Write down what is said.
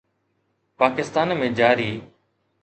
پاڪستان ۾ جاري